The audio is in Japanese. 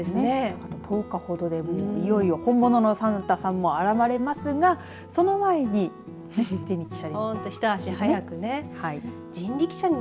あと１０日ほどで、いよいよ本物のサンタさんも現れますがその前に人力車に。